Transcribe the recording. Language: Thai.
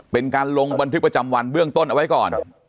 เป็นการลงบันทึกประจำวันเบื้องต้นเอาไว้ก่อน